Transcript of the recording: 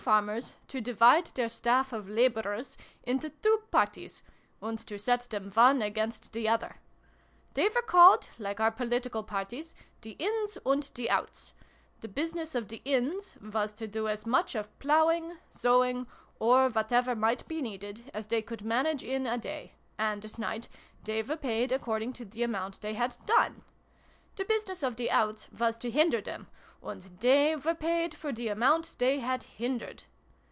farmers to divide their staff of labourers into two Parties, and to set them one against the other. They were called, like our political Parties, the 'Ins' and the 'Outs' : the business of the 'Ins' was to do as much of ploughing, sowing, or whatever might be needed, as they could manage in a day, and at night they were paid according to the amount they had done : the business of the ' Outs ' was to hinder them, and they were paid for the amount they had hindered.